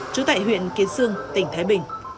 chú tại huyện kiến sương tỉnh thái bình